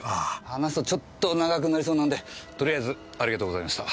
話すとちょっと長くなりそうなんでとりあえずありがとうございました。